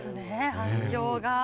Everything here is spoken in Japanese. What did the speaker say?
反響が。